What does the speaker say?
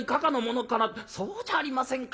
そうじゃありませんか。